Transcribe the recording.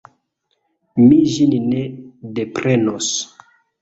Mi ĝin ne deprenos.